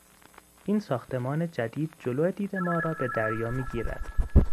این ساختمان جدید جلو دید ما را به دریا میگیرد.